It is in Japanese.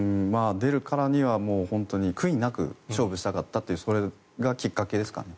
出るからには悔いなく勝負したかったというそれがきっかけですかね。